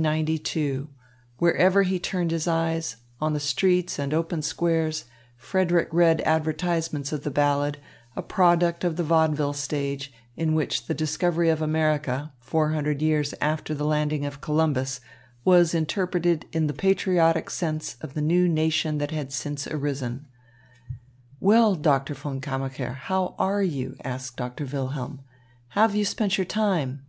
"1492" wherever he turned his eyes, on the streets and open squares, Frederick read advertisements of the ballad, a product of the vaudeville stage, in which the discovery of America, four hundred years after the landing of Columbus, was interpreted in the patriotic sense of the new nation that had since arisen. "Well, Doctor von Kammacher, how are you?" asked Doctor Wilhelm. "How have you spent your time?"